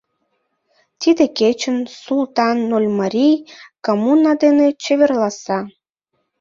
Тиде кечын Султан Нольмарий коммуна дене чеверласа.